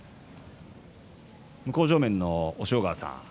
向正面の押尾川さん